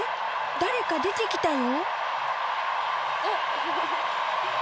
誰か出て来たよ。